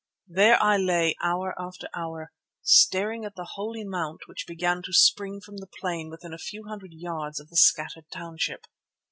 There I lay hour after hour, staring at the Holy Mount which began to spring from the plain within a few hundred yards of the scattered township.